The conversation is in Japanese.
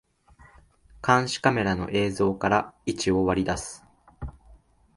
監視カメラの映像から位置を割り出す